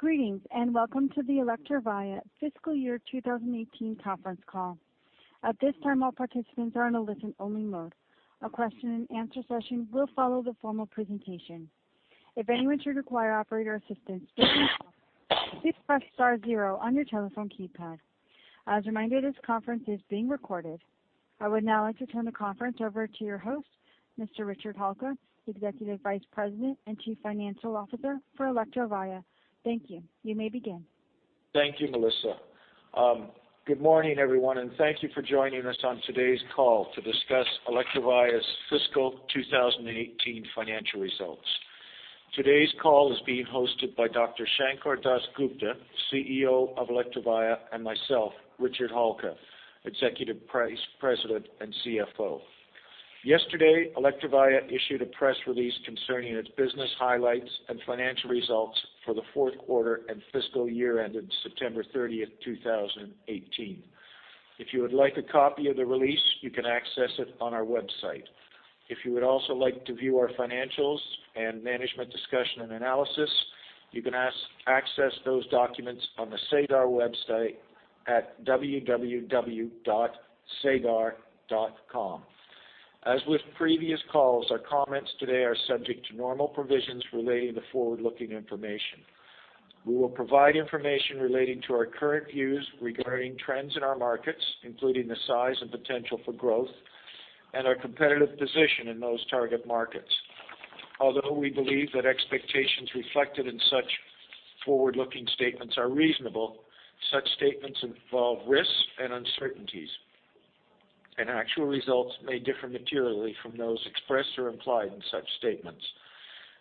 Greetings. Welcome to the Electrovaya Fiscal Year 2018 conference call. At this time, all participants are in a listen-only mode. A question-and-answer session will follow the formal presentation. If anyone should require operator assistance during the call, please press star 0 on your telephone keypad. As a reminder, this conference is being recorded. I would now like to turn the conference over to your host, Mr. Richard Halka, Executive Vice President and Chief Financial Officer for Electrovaya. Thank you. You may begin. Thank you, Melissa. Good morning, everyone. Thank you for joining us on today's call to discuss Electrovaya's fiscal 2018 financial results. Today's call is being hosted by Dr. Sankar Das Gupta, CEO of Electrovaya, and myself, Richard Halka, Executive Vice President and CFO. Yesterday, Electrovaya issued a press release concerning its business highlights and financial results for the fourth quarter and fiscal year ended September 30th, 2018. If you would like a copy of the release, you can access it on our website. If you would also like to view our financials and Management Discussion and Analysis, you can access those documents on the SEDAR website at www.sedar.com. As with previous calls, our comments today are subject to normal provisions relating to forward-looking information. We will provide information relating to our current views regarding trends in our markets, including the size and potential for growth, and our competitive position in those target markets. Although we believe that expectations reflected in such forward-looking statements are reasonable, such statements involve risks and uncertainties. Actual results may differ materially from those expressed or implied in such statements.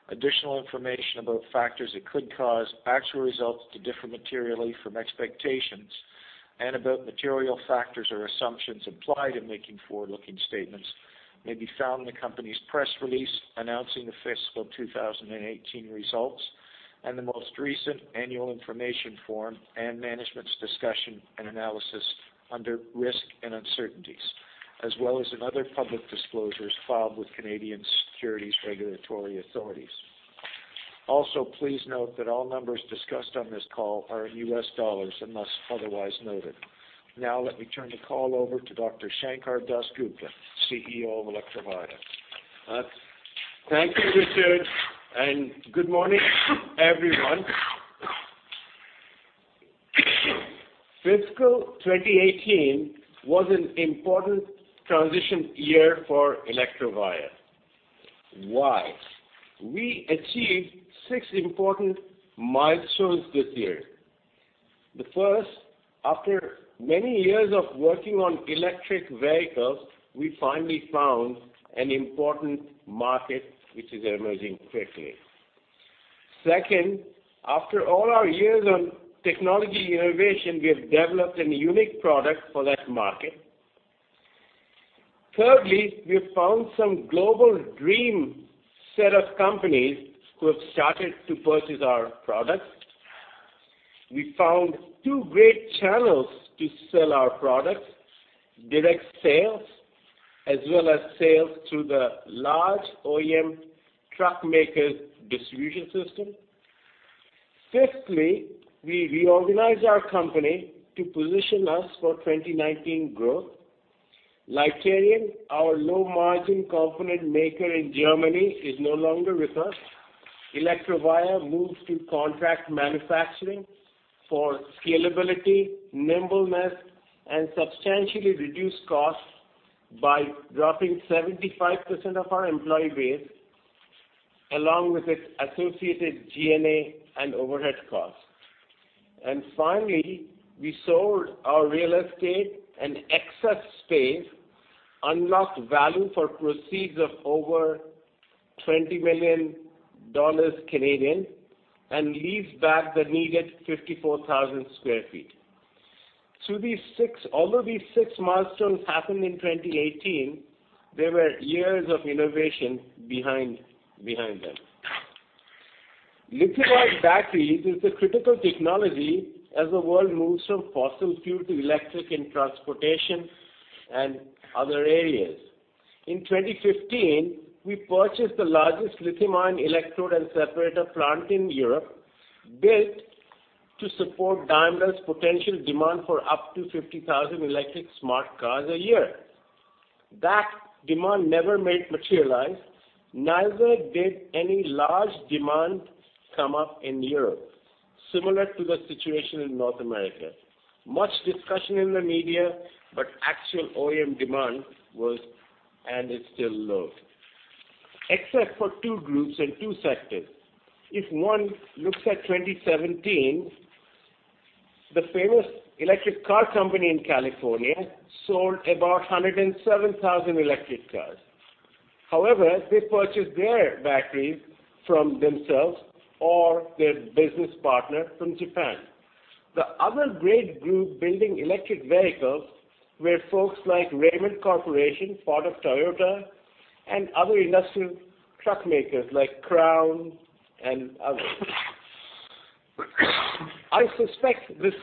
Additional information about factors that could cause actual results to differ materially from expectations and about material factors or assumptions implied in making forward-looking statements may be found in the company's press release announcing the fiscal 2018 results and the most recent annual information form and Management Discussion and Analysis under Risk and Uncertainties, as well as in other public disclosures filed with Canadian securities regulatory authorities. Please note that all numbers discussed on this call are in U.S. dollars, unless otherwise noted. Let me turn the call over to Dr. Sankar Das Gupta, CEO of Electrovaya. Thank you, Richard, and good morning, everyone. Fiscal 2018 was an important transition year for Electrovaya. Why? We achieved six important milestones this year. The first, after many years of working on electric vehicles, we finally found an important market, which is emerging quickly. Second, after all our years on technology innovation, we have developed a unique product for that market. Thirdly, we found some global dream set of companies who have started to purchase our products. We found two great channels to sell our products, direct sales, as well as sales through the large original equipment manufacturer truck maker distribution system. Fifthly, we reorganized our company to position us for 2019 growth. Litarion, our low-margin component maker in Germany, is no longer with us. Electrovaya moves to contract manufacturing for scalability, nimbleness, and substantially reduced costs by dropping 75% of our employee base, along with its associated G&A and overhead costs. Finally, we sold our real estate and excess space, unlocked value for proceeds of over 20 million Canadian dollars, and leased back the needed 54,000 sq ft. Although these six milestones happened in 2018, there were years of innovation behind them. Lithium-ion batteries is the critical technology as the world moves from fossil fuel to electric in transportation and other areas. In 2015, we purchased the largest lithium-ion electrode and separator plant in Europe, built to support Daimler's potential demand for up to 50,000 electric Smart cars a year. That demand never materialized, neither did any large demand come up in Europe. Similar to the situation in North America. Much discussion in the media, but actual OEM demand was and is still low. Except for two groups in two sectors. If one looks at 2017, the famous electric car company in California sold about 107,000 electric cars. They purchased their batteries from themselves or their business partner from Japan. The other great group building electric vehicles were folks like Raymond Corporation, part of Toyota, and other industrial truck makers like Crown and others. I suspect this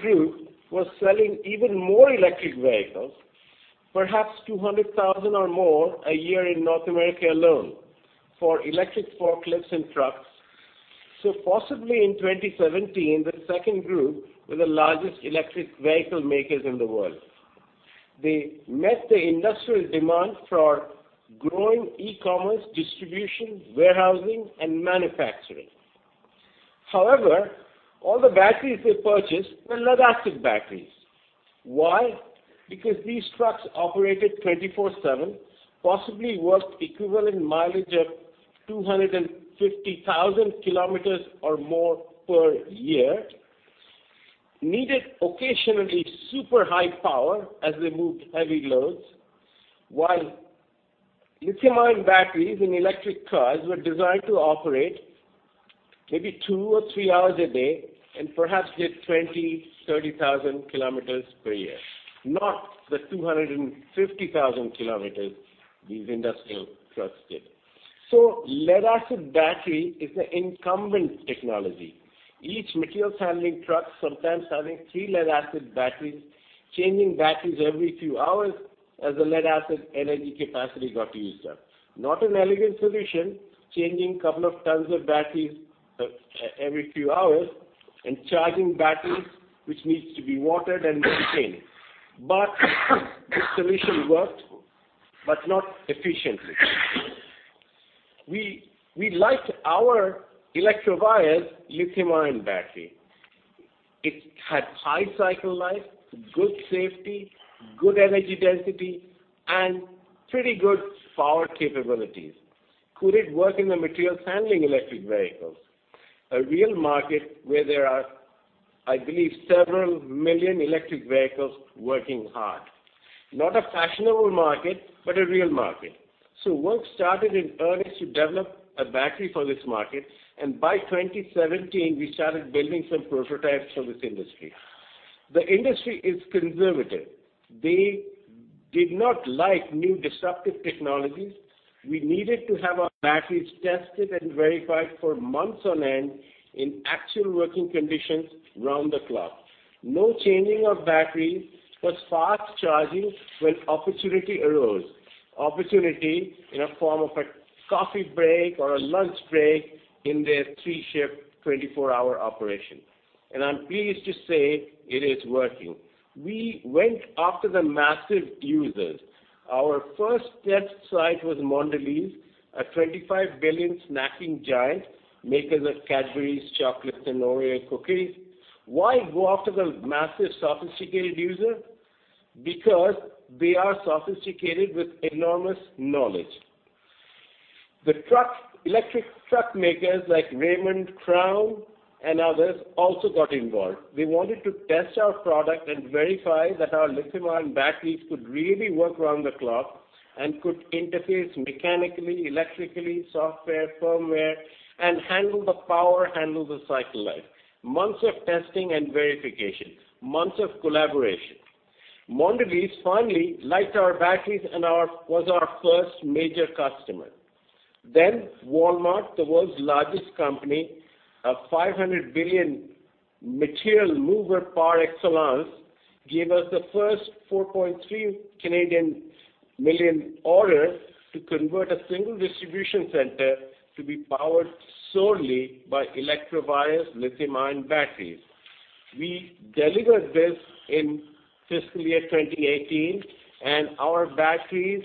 group was selling even more electric vehicles-Perhaps 200,000 or more a year in North America alone for electric forklifts and trucks. Possibly in 2017, the second group were the largest electric vehicle makers in the world. They met the industrial demand for our growing e-commerce, distribution, warehousing, and manufacturing. All the batteries they purchased were lead-acid batteries. Why? These trucks operated 24/7, possibly worked equivalent mileage of 250,000 km or more per year, needed occasionally super high power as they moved heavy loads, while lithium-ion batteries in electric cars were designed to operate maybe two or three hours a day, and perhaps did 20,000 km, 30,000 km per year, not the 250,000 km these industrial trucks did. Lead-acid battery is the incumbent technology. Each materials handling truck, sometimes having three lead-acid batteries, changing batteries every few hours as the lead-acid energy capacity got used up. Not an elegant solution, changing couple of tons of batteries every few hours and charging batteries, which needs to be watered and maintained. The solution worked, but not efficiently. We liked our Electrovaya lithium-ion battery. It had high cycle life, good safety, good energy density, and pretty good power capabilities. Could it work in the materials handling electric vehicles? A real market where there are, I believe, several million electric vehicles working hard. Not a fashionable market, but a real market. Work started in earnest to develop a battery for this market, and by 2017, we started building some prototypes for this industry. The industry is conservative. They did not like new disruptive technologies. We needed to have our batteries tested and verified for months on end in actual working conditions, round the clock. No changing of batteries, but fast charging when opportunity arose. Opportunity in a form of a coffee break or a lunch break in their three shift 24-hour operation. I'm pleased to say it is working. We went after the massive users. Our first test site was Mondelēz, a $25 billion snacking giant, makers of Cadbury chocolates and Oreo cookies. Why go after the massive, sophisticated user? Because they are sophisticated with enormous knowledge. The electric truck makers like Raymond, Crown, and others also got involved. They wanted to test our product and verify that our lithium-ion batteries could really work round the clock and could interface mechanically, electrically, software, firmware, and handle the power, handle the cycle life. Months of testing and verification, months of collaboration, Mondelēz finally liked our batteries and was our first major customer. Walmart, the world's largest company, a $500 billion material mover par excellence, gave us the first 4.3 million order to convert a single distribution center to be powered solely by Electrovaya's lithium-ion batteries. We delivered this in fiscal year 2018, and our batteries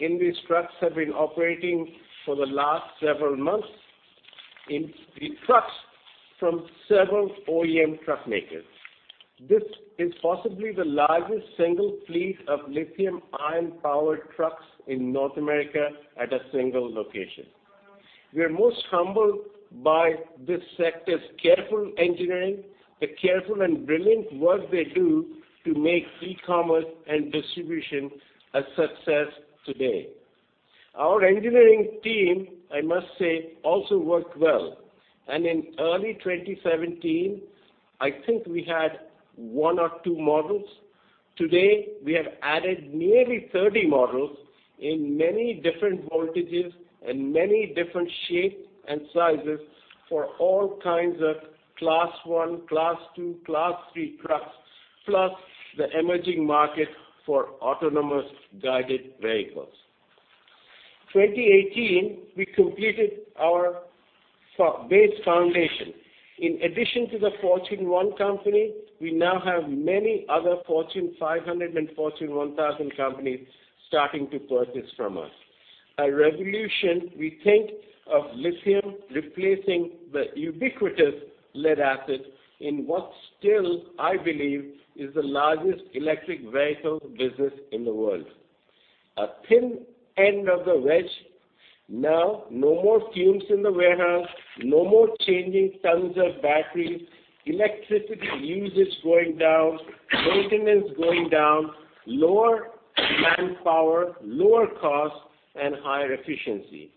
in these trucks have been operating for the last several months in the trucks from several OEM truck makers. This is possibly the largest single fleet of lithium-ion powered trucks in North America at a single location. We are most humbled by this sector's careful engineering, the careful and brilliant work they do to make e-commerce and distribution a success today. Our engineering team, I must say, also worked well. In early 2017, I think we had one or two models. Today, we have added nearly 30 models in many different voltages and many different shape and sizes for all kinds of Class 1, Class 2, Class 3 trucks, plus the emerging market for autonomous guided vehicles. 2018, we completed our base foundation. In addition to the Fortune 1 company, we now have many other Fortune 500 and Fortune 1,000 companies starting to purchase from us. A revolution we think of lithium replacing the ubiquitous lead acid in what still, I believe, is the largest electric vehicle business in the world. A thin end of the wedge. Now, no more fumes in the warehouse, no more changing tons of batteries, electricity usage going down, maintenance going down, lower manpower, lower cost, and higher efficiency.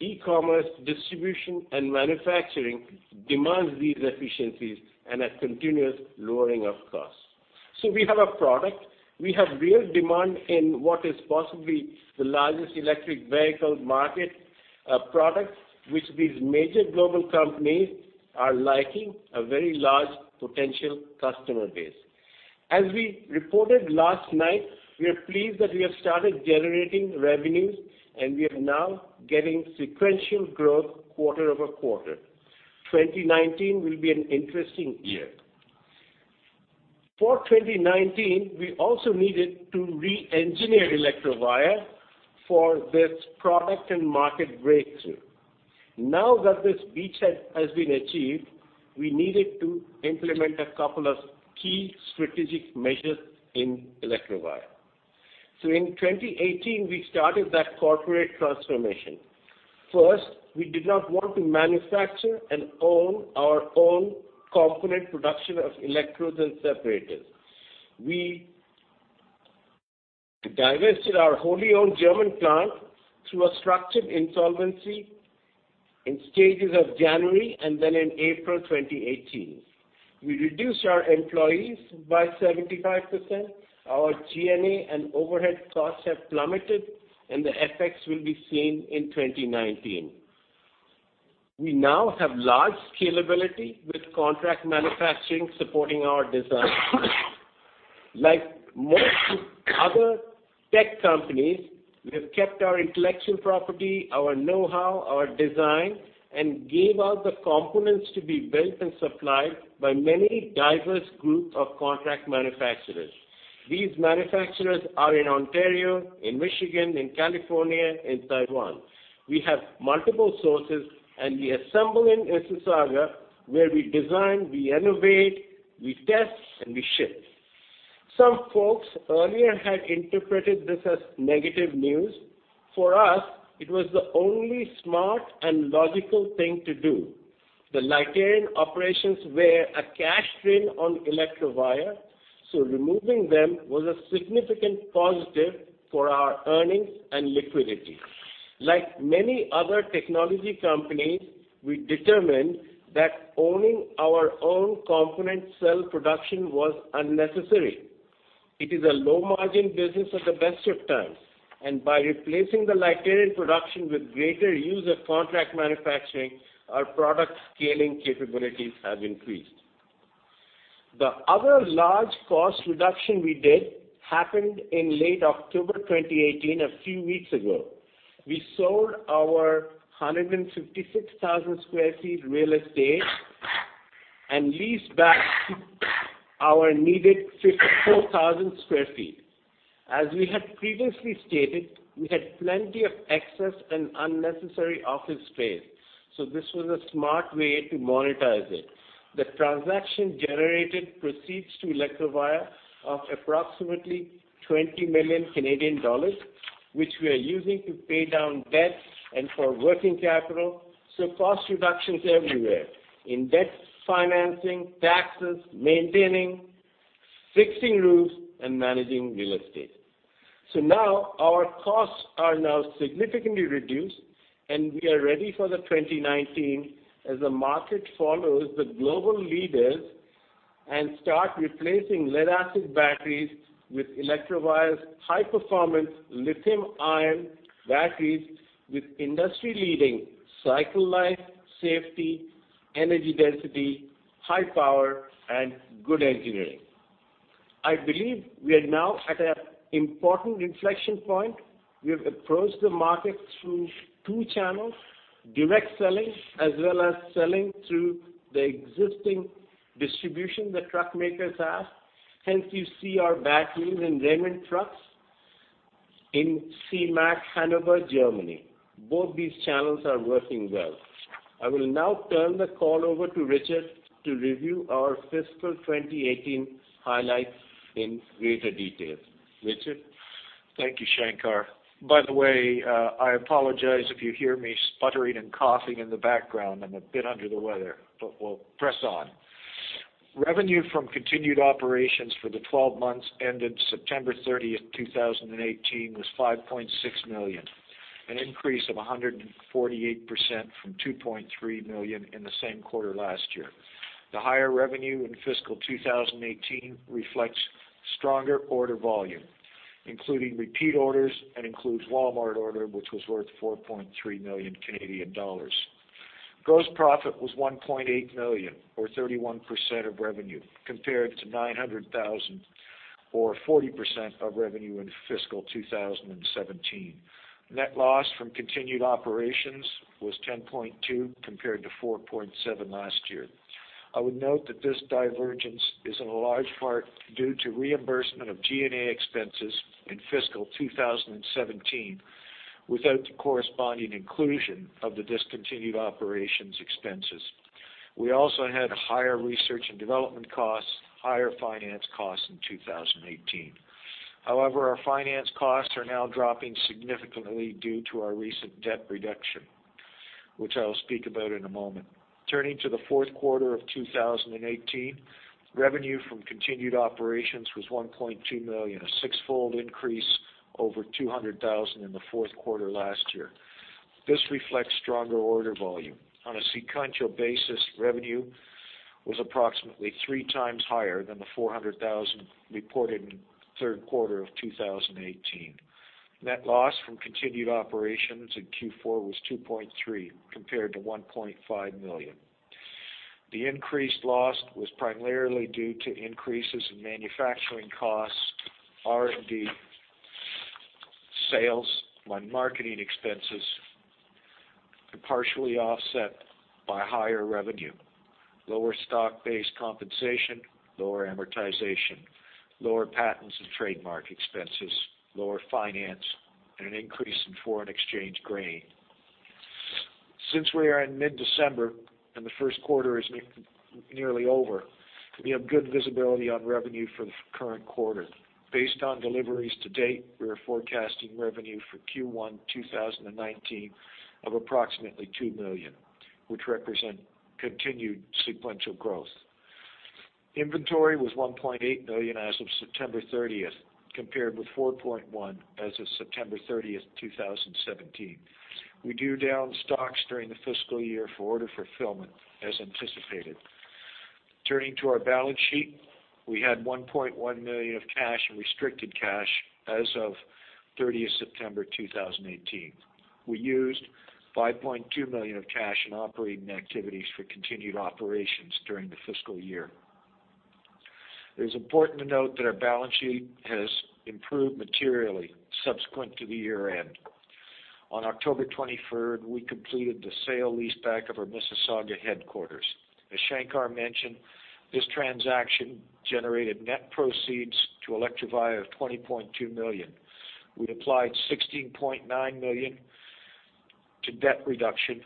E-commerce, distribution, and manufacturing demands these efficiencies and a continuous lowering of costs. We have a product. We have real demand in what is possibly the largest electric vehicle market. A product which these major global companies are liking, a very large potential customer base. We reported last night, we are pleased that we have started generating revenues, and we are now getting sequential growth quarter-over-quarter. 2019 will be an interesting year. For 2019, we also needed to re-engineer Electrovaya for this product and market breakthrough. Now that this beachhead has been achieved, we needed to implement a couple of key strategic measures in Electrovaya. In 2018, we started that corporate transformation. We did not want to manufacture and own our own component production of electrodes and separators. We divested our wholly owned German plant through a structured insolvency in stages of January and then in April 2018. We reduced our employees by 75%, our G&A and overhead costs have plummeted, and the effects will be seen in 2019. We now have large scalability with contract manufacturing supporting our design. Like most other tech companies, we have kept our intellectual property, our know-how, our design, and gave out the components to be built and supplied by many diverse group of contract manufacturers. These manufacturers are in Ontario, in Michigan, in California, in Taiwan. We have multiple sources, and we assemble in Mississauga, where we design, we innovate, we test, and we ship. Some folks earlier had interpreted this as negative news. For us, it was the only smart and logical thing to do. The Litarion operations were a cash drain on Electrovaya, so removing them was a significant positive for our earnings and liquidity. Like many other technology companies, we determined that owning our own component cell production was unnecessary. It is a low-margin business at the best of times, and by replacing the Litarion production with greater use of contract manufacturing, our product scaling capabilities have increased. The other large cost reduction we did happened in late October 2018, a few weeks ago. We sold our 156,000 sq ft real estate and leased back our needed 54,000 sq ft. As we had previously stated, we had plenty of excess and unnecessary office space, so this was a smart way to monetize it. The transaction generated proceeds to Electrovaya of approximately 20 million Canadian dollars, which we are using to pay down debt and for working capital, cost reductions everywhere. In debt financing, taxes, maintaining, fixing roofs, and managing real estate. Now our costs are now significantly reduced, and we are ready for the 2019 as the market follows the global leaders and start replacing lead-acid batteries with Electrovaya's high-performance lithium-ion batteries with industry-leading cycle life, safety, energy density, high power, and good engineering. I believe we are now at an important inflection point. We have approached the market through two channels, direct selling, as well as selling through the existing distribution the truck makers have. Hence, you see our batteries in Raymond trucks in CeMAT, Hanover, Germany. Both these channels are working well. I will now turn the call over to Richard Halka to review our fiscal 2018 highlights in greater detail. Richard? Thank you, Sankar. By the way, I apologize if you hear me sputtering and coughing in the background. I'm a bit under the weather, but we'll press on. Revenue from continued operations for the 12 months ended September 30th, 2018, was $5.6 million, an increase of 148% from $2.3 million in the same quarter last year. The higher revenue in fiscal 2018 reflects stronger order volume, including repeat orders, and includes Walmart order, which was worth 4.3 million Canadian dollars. Gross profit was $1.8 million, or 31% of revenue, compared to $900,000, or 40% of revenue in fiscal 2017. Net loss from continued operations was $10.2 million, compared to $4.7 million last year. I would note that this divergence is in a large part due to reimbursement of G&A expenses in fiscal 2017, without the corresponding inclusion of the discontinued operations expenses. We also had higher research and development costs, higher finance costs in 2018. However, our finance costs are now dropping significantly due to our recent debt reduction, which I will speak about in a moment. Turning to the fourth quarter of 2018, revenue from continued operations was $1.2 million, a six-fold increase over $200,000 in the fourth quarter last year. This reflects stronger order volume. On a sequential basis, revenue was approximately three times higher than the $400,000 reported in the third quarter of 2018. Net loss from continued operations in Q4 was $2.3 million, compared to $1.5 million. The increased loss was primarily due to increases in manufacturing costs, R&D, sales and marketing expenses, partially offset by higher revenue, lower stock-based compensation, lower amortization, lower patents and trademark expenses, lower finance, and an increase in foreign exchange gain. Since we are in mid-December and the first quarter is nearly over, we have good visibility on revenue for the current quarter. Based on deliveries to date, we are forecasting revenue for Q1 2019 of approximately $2 million, which represent continued sequential growth. Inventory was $1.8 million as of September 30th, compared with $4.1 million as of September 30th, 2017. We drew down stocks during the fiscal year for order fulfillment, as anticipated. Turning to our balance sheet, we had $1.1 million of cash and restricted cash as of September 30th, 2018. We used $5.2 million of cash in operating activities for continued operations during the fiscal year. It is important to note that our balance sheet has improved materially subsequent to the year-end. On October 23rd, we completed the sale-leaseback of our Mississauga headquarters. As Sankar mentioned, this transaction generated net proceeds to Electrovaya of 20.2 million. We applied 16.9 million to debt reduction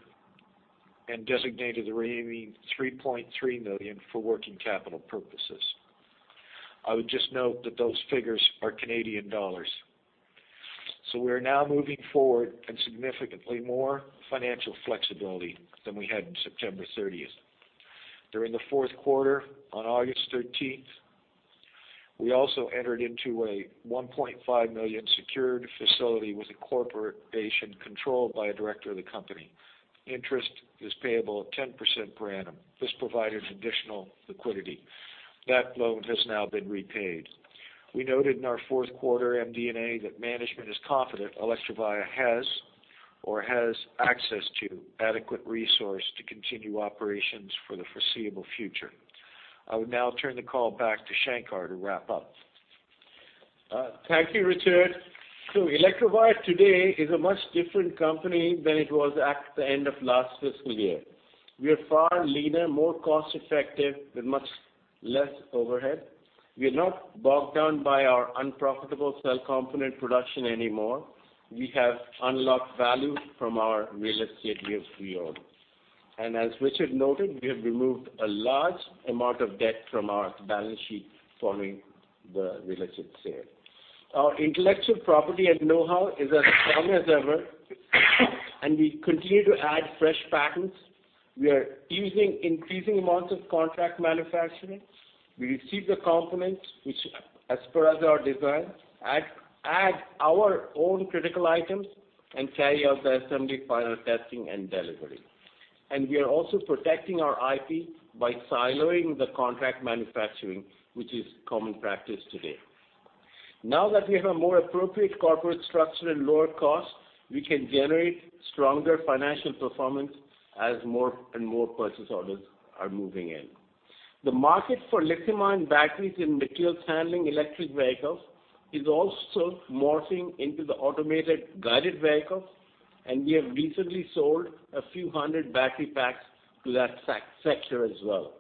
and designated the remaining 3.3 million for working capital purposes. I would just note that those figures are Canadian dollars. We are now moving forward in significantly more financial flexibility than we had on September 30th. During the fourth quarter, on August 13th, we also entered into a $1.5 million secured facility with a corporation controlled by a director of the company. Interest is payable at 10% per annum. This provided additional liquidity. That loan has now been repaid. We noted in our fourth quarter MD&A that management is confident Electrovaya has or has access to adequate resource to continue operations for the foreseeable future. I would now turn the call back to Sankar to wrap up. Thank you, Richard. Electrovaya today is a much different company than it was at the end of last fiscal year. We are far leaner, more cost-effective, with much less overhead. We are not bogged down by our unprofitable cell component production anymore. We have unlocked value from our real estate we own. As Richard noted, we have removed a large amount of debt from our balance sheet following the real estate sale. Our intellectual property and know-how is as strong as ever, and we continue to add fresh patents. We are using increasing amounts of contract manufacturing. We receive the components which as per our design, add our own critical items, and carry out the assembly, final testing, and delivery. We are also protecting our IP by siloing the contract manufacturing, which is common practice today. Now that we have a more appropriate corporate structure and lower costs, we can generate stronger financial performance as more and more purchase orders are moving in. The market for lithium-ion batteries in materials handling electric vehicles is also morphing into the automated guided vehicles, and we have recently sold a few hundred battery packs to that sector as well.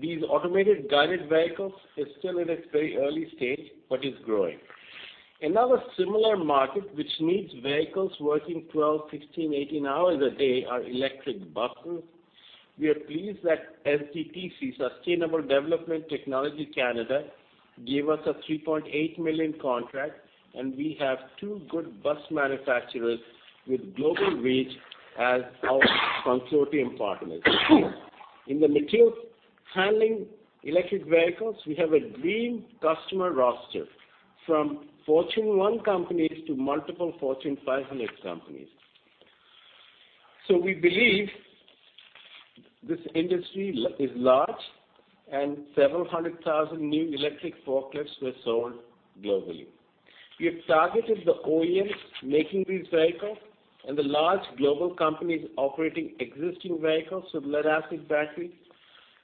These automated guided vehicles is still in its very early stage, but is growing. Another similar market which needs vehicles working 12, 16, 18 hours a day are electric buses. We are pleased that SDTC, Sustainable Development Technology Canada, gave us a $3.8 million contract, and we have two good bus manufacturers with global reach as our consortium partners. In the materials handling electric vehicles, we have a dream customer roster, from Fortune 1 companies to multiple Fortune 500 companies. We believe this industry is large and several hundred thousand new electric forklifts were sold globally. We have targeted the OEMs making these vehicles and the large global companies operating existing vehicles with lead-acid batteries.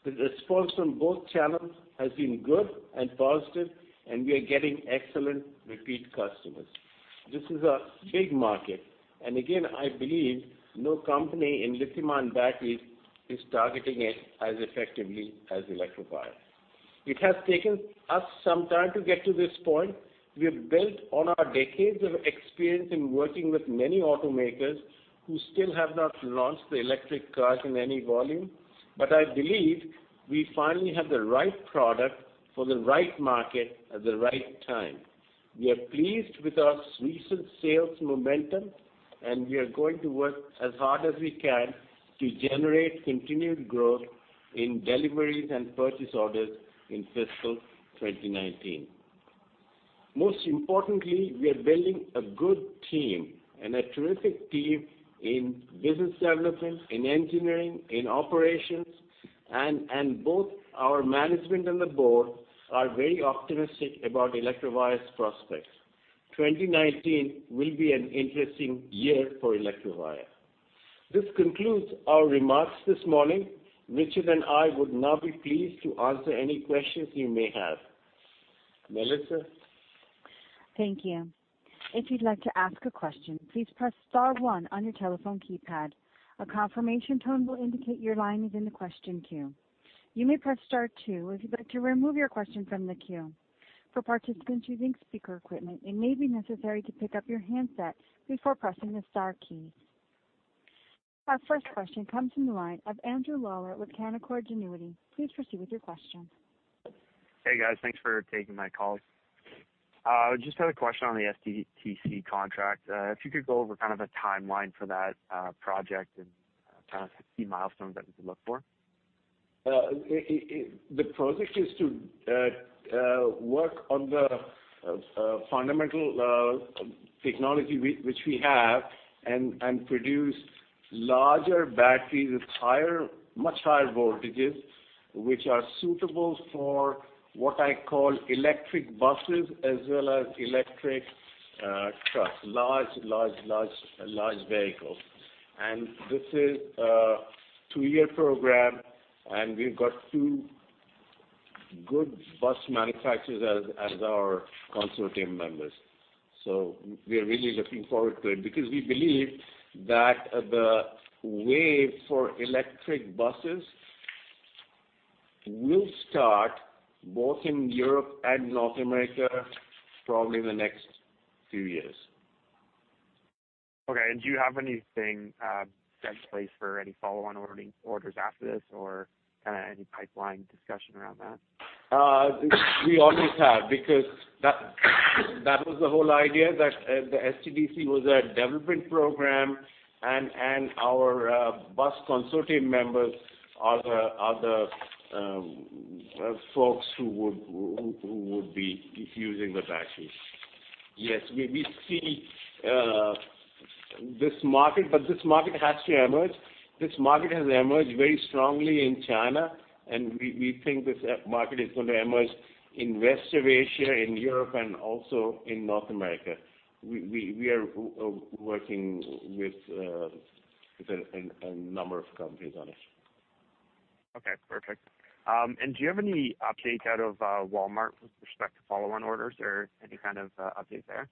The response from both channels has been good and positive, and we are getting excellent repeat customers. This is a big market, and again, I believe no company in lithium-ion batteries is targeting it as effectively as Electrovaya. It has taken us some time to get to this point. We have built on our decades of experience in working with many automakers who still have not launched the electric cars in any volume, but I believe we finally have the right product for the right market at the right time. We are pleased with our recent sales momentum, and we are going to work as hard as we can to generate continued growth in deliveries and purchase orders in fiscal 2019. Most importantly, we are building a good team and a terrific team in business development, in engineering, in operations. Both our management and the board are very optimistic about Electrovaya's prospects. 2019 will be an interesting year for Electrovaya. This concludes our remarks this morning. Richard and I would now be pleased to answer any questions you may have. Melissa? Thank you. If you'd like to ask a question, please press star one on your telephone keypad. A confirmation tone will indicate your line is in the question queue. You may press star two if you'd like to remove your question from the queue. For participants using speaker equipment, it may be necessary to pick up your handset before pressing the star key. Our first question comes from the line of Andrew Lawler with Canaccord Genuity. Please proceed with your question. Hey, guys. Thanks for taking my call. I just had a question on the SDTC contract. If you could go over kind of a timeline for that project and kind of key milestones that we could look for. The project is to work on the fundamental technology which we have and produce larger batteries with much higher voltages, which are suitable for what I call electric buses as well as electric trucks. Large vehicles. This is a two-year program, and we've got two good bus manufacturers as our consortium members. We are really looking forward to it because we believe that the wave for electric buses will start both in Europe and North America probably in the next few years. Okay. Do you have anything set in place for any follow-on orders after this or kind of any pipeline discussion around that? We always have, because that was the whole idea, that the SDTC was a development program, and our bus consortium members are the folks who would be using the batteries. Yes, we see this market, but this market has to emerge. This market has emerged very strongly in China, and we think this market is going to emerge in Western Asia, in Europe, and also in North America. We are working with a number of companies on it. Okay, perfect. Do you have any update out of Walmart with respect to follow-on orders or any kind of update there?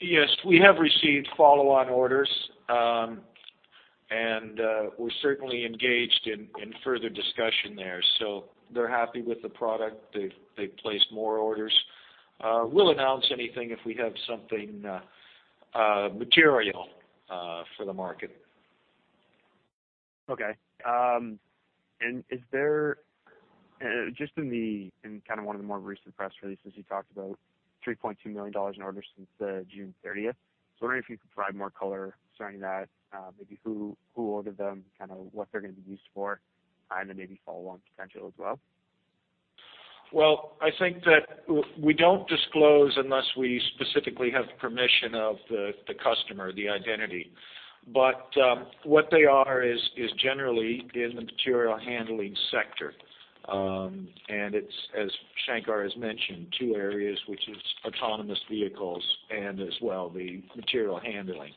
Yes, we have received follow-on orders. We're certainly engaged in further discussion there. They're happy with the product. They've placed more orders. We'll announce anything if we have something material for the market. Okay. In one of the more recent press releases, you talked about 3.2 million dollars in orders since June 30th. I'm wondering if you could provide more color surrounding that. Maybe who ordered them, kind of what they're going to be used for, and then maybe follow-on potential as well. I think that we don't disclose unless we specifically have permission of the customer, the identity. What they are is generally in the material handling sector. It's, as Sankar has mentioned, two areas, which is autonomous vehicles and as well the material handling.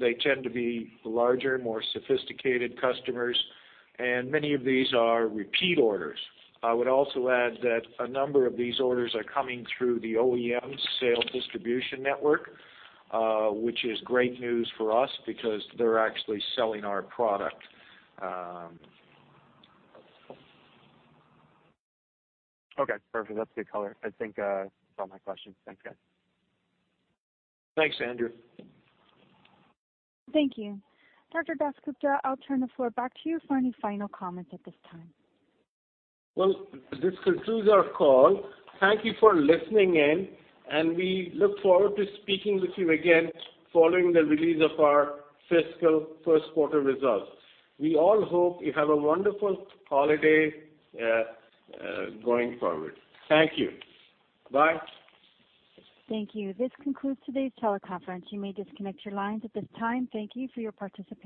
They tend to be larger, more sophisticated customers, and many of these are repeat orders. I would also add that a number of these orders are coming through the OEM sales distribution network, which is great news for us because they're actually selling our product. Okay, perfect. That's good color. I think that's all my questions. Thanks, guys. Thanks, Andrew. Thank you. Dr. Das Gupta, I'll turn the floor back to you for any final comments at this time. Well, this concludes our call. Thank you for listening in, and we look forward to speaking with you again following the release of our fiscal first quarter results. We all hope you have a wonderful holiday going forward. Thank you. Bye. Thank you. This concludes today's teleconference. You may disconnect your lines at this time. Thank you for your participation.